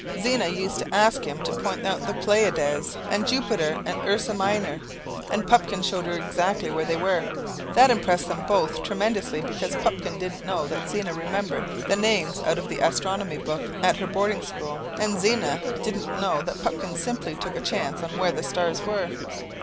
Zena used to ask him to point out the Pleiades and Jupiter and Ursa minor, and Pupkin showed her exactly where they were. That impressed them both tremendously, because Pupkin didn't know that Zena remembered the names out of the astronomy book at her boarding school, and Zena didn't know that Pupkin simply took a chance on where the stars were.